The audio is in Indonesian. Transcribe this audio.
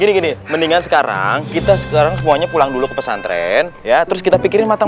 gede gede mendingan sekarang kita sekarang semuanya pulang dulu pesantren ya terus kita pikirin matang